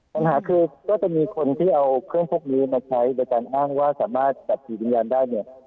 ปัญหาคือก็จะมีคนที่เอาเครื่องพวกนี้มาใช้ในการอ้างว่าสามารถจับผีวิญญาณได้เนี่ย